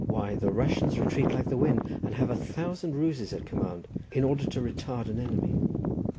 Why, the Russians retreat like the wind, and have a thousand ruses at command, in order to retard an enemy.